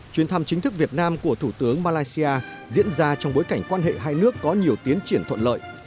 chuyến thăm chính thức việt nam của thủ tướng malaysia diễn ra trong bối cảnh quan hệ hai nước có nhiều tiến triển thuận lợi